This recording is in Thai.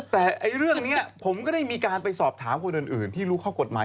แต่เรื่องนี้ผมก็ได้มีการไปสอบถามคนอื่นที่รู้ข้อกฎหมาย